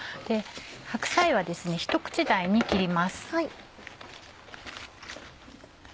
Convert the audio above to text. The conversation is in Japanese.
白菜はひと口大に切ります。